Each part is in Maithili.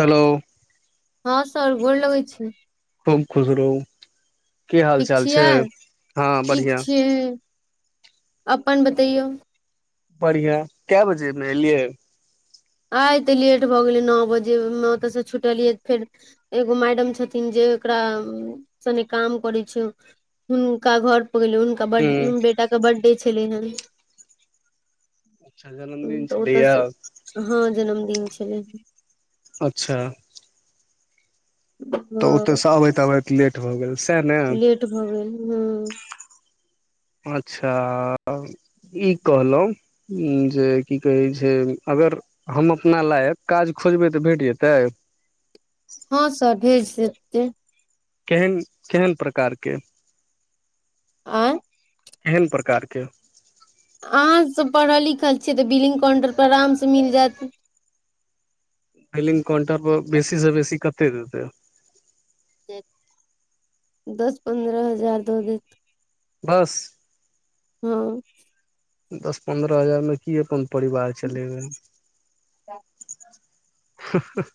हलो हँ सर गोर लगै छी खूब खुश रहु की हाल चाल छै हँ बढ़िआँ हूँ अपन बतैयौ बढ़िया कै बजे में एलियै आइ त लेट भऽ गेलै नओ बजे में ओतयसँ छुटलियैऽ फेर एगो मैडम छथिन जे एकरा सने काम करै छै हुनका घरपर गेलै हुनका ब ह बेटाके बर्थडे छलै हेन अच्छा जनमदिन छलैया हँ जन्मदिन छल अच्छा तऽ हँ ओतयसँ अबैत बैत लेट भऽ गेल सएह न तऽभ गेल हू अच्छा इ कहलहुँ उ जे की कहै छै अगर हम अपना लायक काज खोजबै तऽ भेट जेतै हँ सर भेट जेतै केहन केहन प्रकार के आय केहन प्रकार के अहाँसब पढ़ल लिखल छियै तऽ बिलिंग काउंटर पर आराम से मिल जायत बिलिंग काउंटर पर बेसी से बेसी कते देतै दस पन्द्रह हजार दऽ देत बस हँ दस पन्द्रह हजार में की अपन परिवार चलेबे हं हं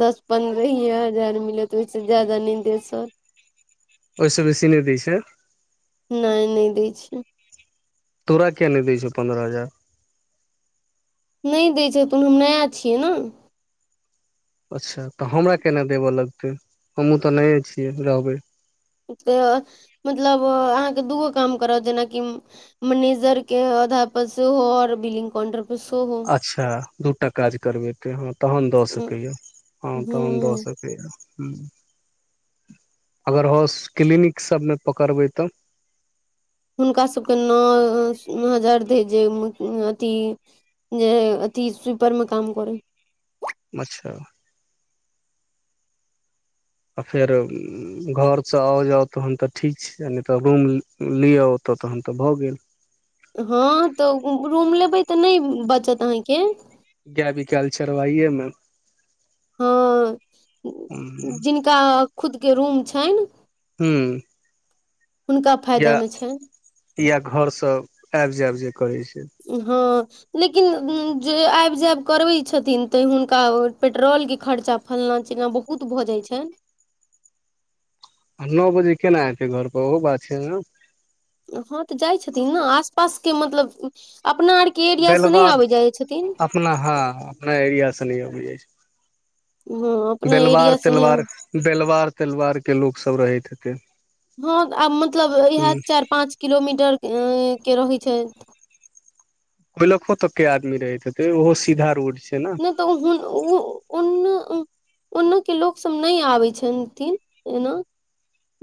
दस पन्द्रहहीए हजार मिलत ओइसे ज्यादा नइ देत सर ओइसँ बेसी नइ दै छै नहि नै दै छिए तोरा किया नहि दे छौ पन्द्रह हजार नहि दै छथिुन हम नया छियै न अच्छा तऽ हमरा केना देबय लगतै हमहूँ त नये छियै रहबै तऽ मतलब अहाँकेँ दूगो काम करत जेनाकि मैनेजर के आधा पर सेहो आओर बिलिग काउंटर पर सेहो अच्छा दुटा काज करबेते ह तहन दऽ हूँ सकैया ह तहन दऽ सके अगर हाउस क्लिनिक सभमे पकड़बै तब हुनका सभके नौ हजार जे अथि जे अथि स्वीपर मे काम कर अच्छा आ फेर घरसँ आउ जाउ तहन तऽ ठीक छै आ नहि तऽ रूम लिअ ओतऽ तहन तऽ भऽ गेल हँ तऽ रूम लेबै तऽ नइ बचत अहाँके गाय बिकेल चरवाहिए हँ जिनका खुद के रूम छैन हू हुनका फायदा मे छैन घर सभ आबि जायब जे करे छै ह लेकिन जे आबि जायब करबैत छथिन त हुनका पेट्रोलके खर्चा फंल्ला चिल्ला बहुत भऽ जाइत छै। नौ बजे केना ऐते घर पर ओहो बात छै ने ह तऽ जाइ छथिन नऽ आस पास के मतलब अपना आरके के एरिया से नहि बेलवार आबै जाइ छथिन। अपना ह अपना एरिया से नहि अबे जाइत हँ छथिन अपना बेलवार एरिया से नहि तेलवार बेलवार तेलवारके लोक सभ रहैत हेतै ह आब मतलब इएह ह चारि पाँच किलोमीटर के रहैत छै ब्लिक्क तक के आदमी रहैत हेते ओहो सीधा रोड छै ने नहि तऽ उ ऑन ओनेके लोकसभ नहि आबै छथिन ऐना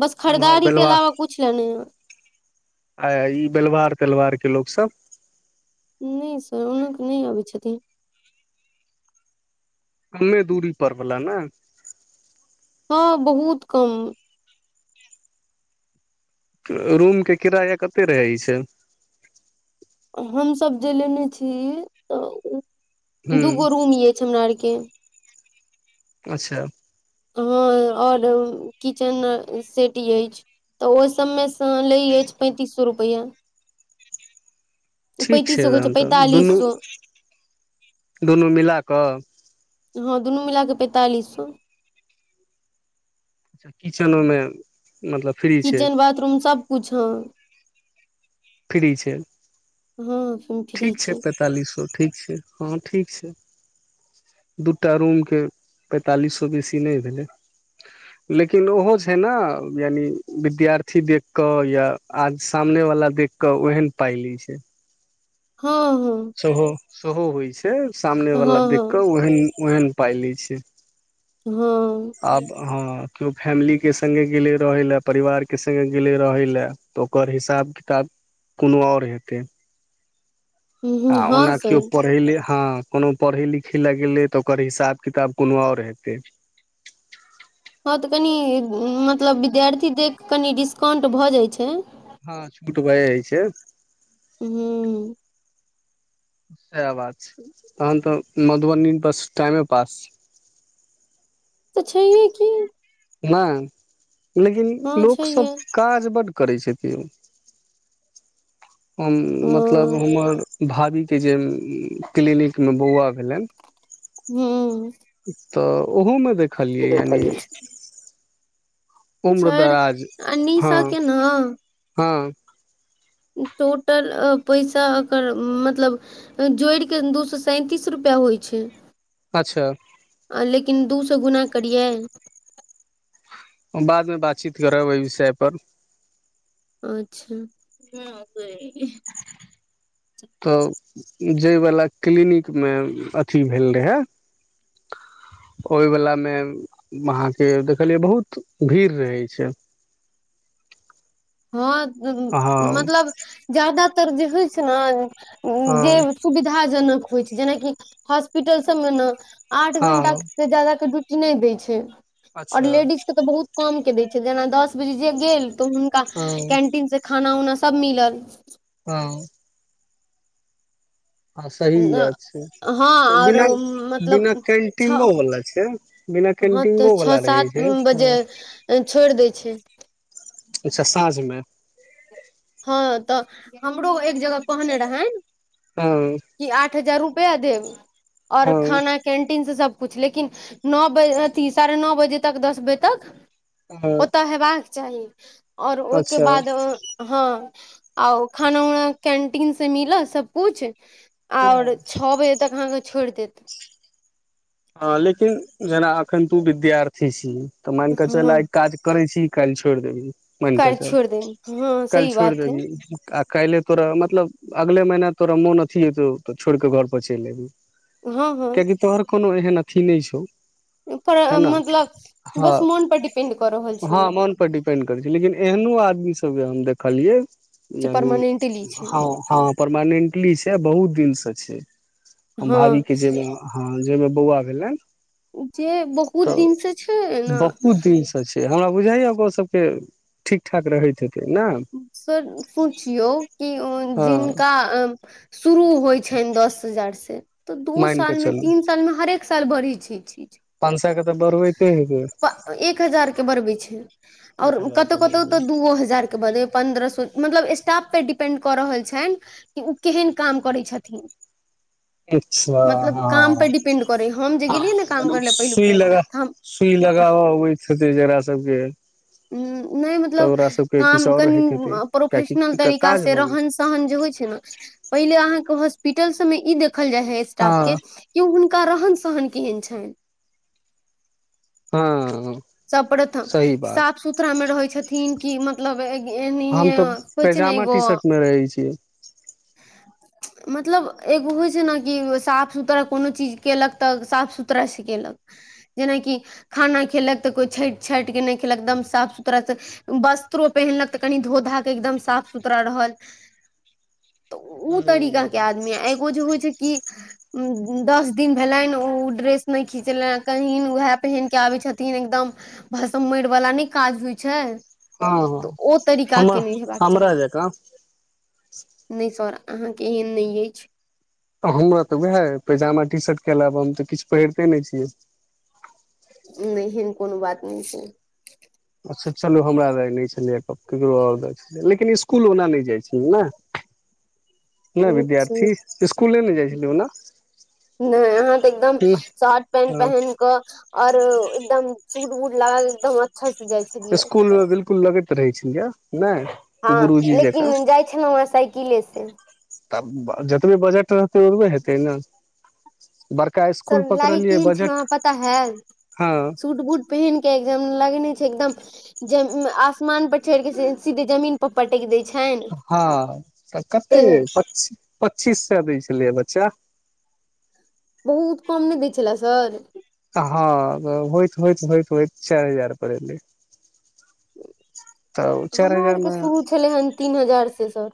बस एम्हर खरीदारी के बेलवार अलावा कुछ लेऽ न आ ई बेलवार तेलवारके लोक सभ निशी तऽ ऑन नहि अबैत छथिन कमे दूरी पर भले न ह बहुत कम रूम के किराया कते रहै छै हमसभ जे लेने छी ह तऽ दुगो रूम अछि हमरा आर के अच्छा। हँ आओर किचेन सेट अछि ओह सबमे से लै अछि पैंतीस सए रुपैआ ठीक पैंतीस छै सए कहै तहनतऽ पैंतालिस दुनू सए दुनू मिलाकऽ। हँ दुनू मिल कऽ पैंतालिस सए अच्छा किचनो मे मतलब। फ्री छै किचेन बाथरूम सबकुछ हँ फ्री छै हँ सु ठीक छै पैंतालिसो ठीक छै हँ ठीक छै दूटा रूम के पैंतालि सो बेसी नहि भेलै। [inaudible] लेकिन ओहो छै ने यानि विद्यार्थी देखिकऽ या आज सामने वाला देख कौ एहन पा लै छ हँ हँ सेहो होइ छै सामने हँ वला देख हँ कऽ ओहन ओहन पाय लै छै हँ आब हँ केओ फैमिलीके संगे गेले रहै लए परिवार के संगे गेलै रहै लए तऽ ओकर हिसाब किताब कोनो ओर हेतै हूँ आ हँ ओना ओ सर पढ़ैले हँ कोनो पढ़ै लिखै लगै तऽ ओकर हिसाब किताब कोनो ओर हेतै हँ तऽ कनि मतलब विद्यार्थी देख कऽ कनि डिस्काउंट भऽ जाइ छै हँ छूट भ हइ छै हू सएह बात छै तहन तऽ मधुबनी बस टाइमे पास छै तऽ छैहे की नहि लेकिन हँ छैहे लोकसभ काज बड्ड करै छथिन [inaudible] हम मतलब हँ हमर भाभीके जे क्लिनिक में बौआ भेलनि हूँ तऽ ओहो में देखलियै यानि सर उम्रदराज हँ अनीशा के ने हँ टोटल पैसा एकर मतलब जोड़िक कऽ दू सए सैंतीस रुपैआ होइ छै अच्छा लेकिन दू सो गुना करियै बाद में बातचीत करब एहि विषय पर अच्छा तऽ जाइवला क्लिनिक मे अथी भेल रहै ओहि वला में अहाँके देखलियै बहुत भीड़ रहै छै हँ हँ मतलब ज्यादातर जे होइ छै ने हँ जे सुविधाजनक होइ छै जेनाकि हॉस्पिटल सब में ने आठ घंटा हँ जादा के ड्यूटी नै दै छै और अच्छा लेडीज के तऽ बहुत कम के दै छै जेना दस जे गेल तऽ हुनका हँ कैंटीन से खाना उना सब मिलल हँ हँ सही अ बात छै हँ ओरो बिना मतलब बिना छ कैंटीनो वाला छै बिना हँ तऽ कैंटीनो छ‌अ वाला रहै सात छै बजे छोइड़ दै छै अच्छा साँझ में हँ तऽ हमरो एक जगह कहने रहै हँ कि आठ हजार रुपैआ देब और हँ खाना कैन्टीन से सबकुछु लेकिन नओ बजे अथी साढ़े नओ बजे तक दस बजे तक हँ ओतय हेबाक चाही ओर ओहिके अच्छा बाद हँ आ खाना उना कैंटीन से मिलत सबकुछ ओर हँ छओ बजे तक अहाँके छोड़ि देत हँ लेकिन जेना अखन तू विद्यार्थी छी तऽ मान कऽ चल आ हँ काज करै छी कल छोड़ देबी मानक काल्हि चल छोड़ि देनी हँ काल सही छोड़ बात है देबी आ काल्हि तोरा मतलब अगले महीना तोरा मोन अथी ह एतौ तऽ छोड़ि कऽ घर पर चलि अयबी हँ हँ तोहर कोनो एहन अथी नहि छौ पर है न मतलब हँ बस मोन पर डिपेंड कऽ रहल छै हँ मोन पर डिपेंड करै छै लेकिन एहनो आदमी सब जे हम देखलियै जे यानी परमानेंटली छै हँ हँ परमानेंटली छै बहुत दिन से छै हम भभी हँ के जे जाहि में बौआ गैला जे बहुत दिन से छै न अ हमरा बुझाइया ग सबके ठीक ठाक रहै छै ने सर सोचियौ कि हँ जिनका शुरू होइ छइन दस हजार तऽ दू मान कऽ साल में चलू तीन साल में हरेक साल बढ़ै छै ई चीज पाँच सए के तऽ बढ़बैते हेबै एक हजार के बरबी छै ओर एक हजार तऽ के कतहु बढ़बै तऽ दूओ हजारके बदै पन्द्रह सए मतलब स्टाफपर डिपेंड कऽ रहल छनि कि ओ केहन काम करै छथिन अच्छा मतलब काम पर डिपेंड करै हम जे गेलियै ने काम हँ करै लए पहिलुक सुई बेर लगा तऽ हम सुई लगाबऽ अबैत हेतै जकरा सबके उ नहि तऽ मतलब ओकरा सबके किछु काम आओर कनि रहैत हेतै कियाकि प्रोफेशनल एकटा तरीका काज से भऽ रह गेल जे होइ छै ने पहिले अहाँके हॉस्पिटल सबमे ई देखल जाइ हे स्टाफ के हँ की हुनका रहन सहन केहन छनि हँ सब प्रथम सही बात साफ सुथरा में रहै छथिन कि मतलब एनाहिए किछ ने एगो हो छिय हं मतलब एगो होइ छै ने कि साफ सुथरा कोनो चीज कयेलक तऽ साफ सुथरासँ कयलक जेनाकि खाना खेलक तऽ कोइ छठि छठि के नहि खेलक एकदम साफ सुथरास से वस्त्रो पहिनलक तऽ कनि धोधाके एकदम साफ सुथरा रहल तऽ ओ तरीकाे हँ आदमी एगो जे होइ छै कि दस दिन भेलनि ओ ड्रेस नहि खिचले कही उएह पहिन के आबे छथिन तीन एकदम भसम मर वाला नहि काज होइ छै तऽ हँ ओ तरीका हमर के नि हेबाक चाही हमरा जकाँ नहि सर अहाँके एहन नहि अछि त हमरा तऽ उएह पैजामा टीशर्ट के अलावा हम तऽ किछु पहिरते नहि छियै नै एहन कोनो बात नहि छै अच्छा चलू हमरा ला नहि छलै गप ककरो और छल लेकिन इसकुल ओना नहि जाइ छलै ने [inaudible] नहि छै विद्यार्थी इसकुल नहि जाइ छलै ओना नहि आहा तऽ एकदम शर्ट पेंट पहिन कऽ और एकदम सूट उट लागल एकदम अच्छा से जाय छै इसकुल मे बिलकुल लगैत रहै छलैय नहि हँ गुरुजी जकाँ लेकिन जाइ छलहुँ ह साइकिले से तब जतबे बजट रहतै ओतबे हेतै ने बड़काइ सर लागे केहन छल हँ पता हय हँ सूट बूट पहिन के एकदम लगेने छै एकदम आसमान पर चढ़ के सीधे जमीन प पटैकि दै छनि हँ तऽ कते तेहन प पच्चीस सए दै छलियै बच्चा बहुत कम नै दै छल सर हँ होयत होयत होयत होयत चारि हजार पड़ल एलए हमरा आरके शुरू छलै हेन तीन हजार से सर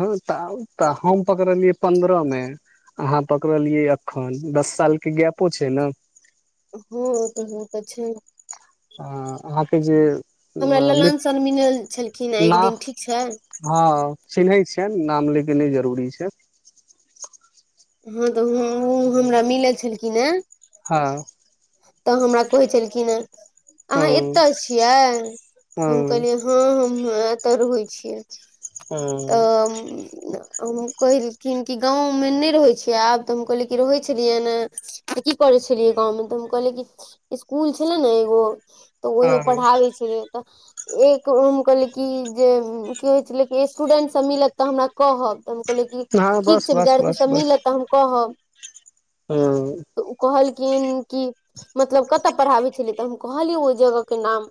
ह त तऽ हम पकरलियै पन्द्रह मे अहाँ पकड़लियै अखन दस साल के गैपो छै ने हँ तऽ ह त छै अ अहाँके जे हमरा ललन सर मिनल छलखिन हँ ना एक दिन ठीक छै हँ चिन्है छियनि नाम लै के नहि जरूरी छै हँ तऽ ओ हँ हमरा मिलल छलखिन हे हँ तऽ हमरा कहै छलखिन अहाँ एतऽ छियै हम हँ कहलियै हँ हम एतऽ रहै छियै हँ तऽ हम कहलखिन की गाँंवो में नहि रहय आब तऽ हम कहल क रहै छलियै ने त की करै छलियै गाँव मे तऽ हम कहलियै कि ईस्कूल छले ने एगो तऽ ओहिमे पढ़ाबै छलै तऽ एक अम कहले क कि जे की होइ छले स्टूडेंट सब मिलत तऽ हमरा कहब हँ ठीक बस छै बस विद्यार्थी बस सब बस मिलत तऽ हम कहब हँ तऽ ओ कहलखिन कि मतलब कतऽ पढ़ाबै छलियै तऽ हम कहलियै ओहि जगह के नाम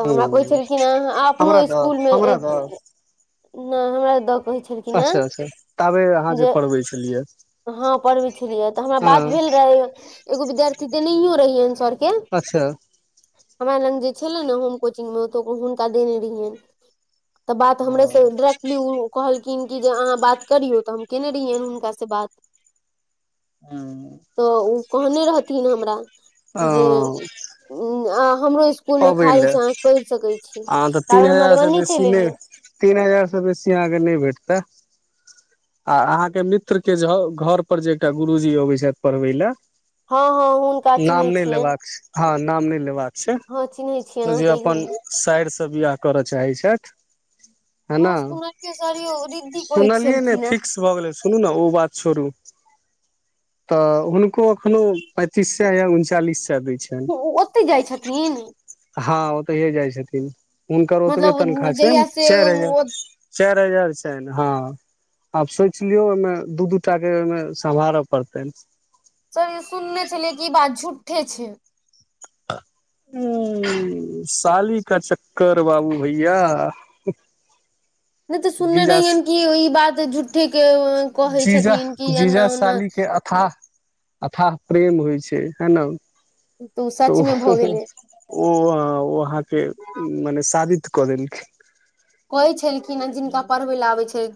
तऽ हमरा कहै हँ छलखिन हेँ अपनो हमरा दऽ इसकुलमे हमरा दऽ नहि हमरा दऽ कहै छलखिन ह अच्छा अच्छा ताबे अहाँ जे पढ़बै छलिय हँ पढ़बे छलियै तऽ हमरा बात भेल रहे एगो विद्यार्थी देनयो रहिये सर के अच्छा हमरा लग जे छलै ने होम कोचिंग मे ओ हुनका देने रहि तऽ बात हमरेसँ ओ डायरेक्टली ओ कहलखिन कि जे अहाँ बात करियौ तऽ हम केने रहियै हुनका से बात हू त उ कहने रहथिन हमरा जे आ हमरो ईस्कूल मे अबै खाजी लए छै अहाँ पढ़ सके छी अहाँ तऽ तीन तआबे हम हजार से मधुबनी बेसी चलि नहि एलियै तीन हजार स बेसी अहाँके नहि भेटत आ अहाँके मित्र के घर पर जे एकटा गुरुजी अबै छथि पढ़बै ल हँ हँ हुनका चिन्है नाम नहि लेबाक छै हँ नाम नहि लेबाक छै अछि जे अपन साइरसँ बियाह करय चाहै छथि है न हँ सुनियौ सर यौ रिद्धि कहै छलखिन हे भ गेल सुनू ने ओ बात छोरु तऽ हुनको अखनो पैस उनचालीस से दै छै [unintelligible] ऊ ओतय जाइ छथिन हँ ओतहिए जाइ छथिन हुनकर ओतबे मतलब तनखाह छै जहिया से चारि हजार चार हजार छै ने हँ ' आब सोच लियौ ओहिमे दू दू टा के ओहिमे समहारे पड़ते सुनने छलियै कि ई बात झू्ठे छै आ [inaudible] उ साली क चक्कर बाबू भैया नहि तऽ सुनने जीजा रहि कि ई बात ठीके कहै छथिन कि एना ओना हाँ अथाह प्रेम होइ छै है ने ओ तऽ सचमे भऽ औहे गेलै ओ ओ अहाँके मने शबित कऽ देलखिन। कहै छलखिन हेँ जिनका पढ़बै लए आबै छै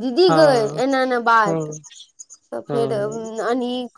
दीदी गय हँ एना एना हँ बात तऽ फेर हँ अनटी